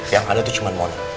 yang ada tuh cuman mona